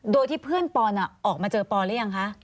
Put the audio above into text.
โดยที่เพื่อนปอนออกมาเจอปอนหรือยังคะ